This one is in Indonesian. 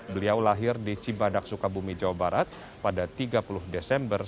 beliau lahir di cibadak sukabumi jawa barat pada tiga puluh desember seribu sembilan ratus empat